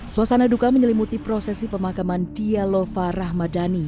suasana duka menyelimuti prosesi pemakaman dialova rahmadani